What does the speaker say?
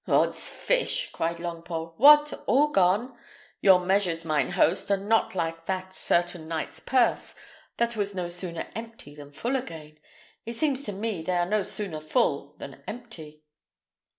"Odds fish!" cried Longpole; "what! all gone? Your measures, mine host, are not like that certain knight's purse that was no sooner empty than full again. It seems to me they are no sooner full than empty."